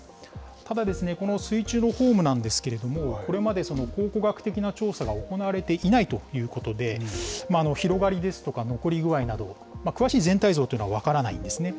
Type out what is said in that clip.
ただ、この水中のホームなんですけれども、これまで考古学的な調査が行われていないということで、広がりですとか残り具合など、詳しい全体像というのは分からないんですね。